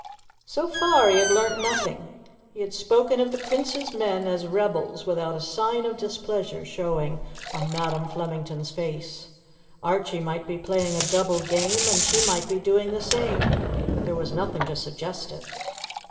So far he had learnt nothing. He had spoken of the Prince's men as rebels without a sign of displeasure showing on Madam Flemington's face. Archie might be playing a double game and she might be doing the same, but there was nothing to suggest it.